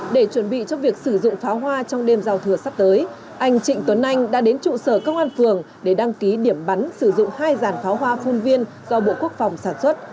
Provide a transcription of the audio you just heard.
để chuẩn bị cho việc sử dụng pháo hoa trong đêm giao thừa sắp tới anh trịnh tuấn anh đã đến trụ sở công an phường để đăng ký điểm bắn sử dụng hai dàn pháo hoa phun viên do bộ quốc phòng sản xuất